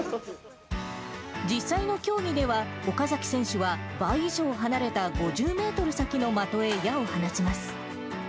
実際の競技では、岡崎選手は倍以上離れた、５０メートル先の的へ矢を放ちます。